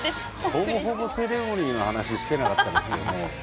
ほぼほぼセレモニーの話をしてなかったですよね。